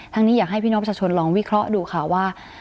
นี้อยากให้พี่น้องประชาชนลองวิเคราะห์ดูค่ะว่า